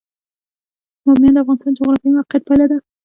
بامیان د افغانستان د جغرافیایي موقیعت پایله ده.